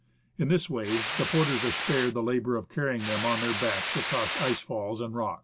In this way the porters are spared the labour of carrying them on their backs across ice falls and rocks.